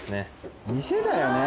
店だよね。